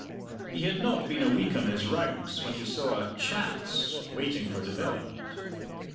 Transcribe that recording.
He had not been a week on his rounds when he saw a "chance" waiting for development.